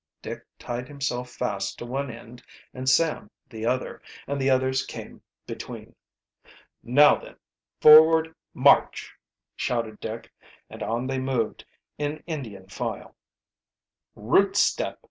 Dick tied himself fast to one end and Sam the other, and the others came between. "Now then, forward march!" shouted Dick. And on they moved, in Indian file. "Route step!"